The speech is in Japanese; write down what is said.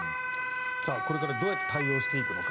これからどうやって対応していくのか。